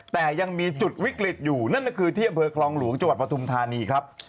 แต่ยังมีจุดวิกฤตอยู่นั่นก็คือที่อำเภอคลองหลวงจังหวัดปฐุมธานีครับ